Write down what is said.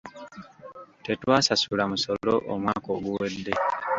Tetwasasula musolo omwaka oguwedde.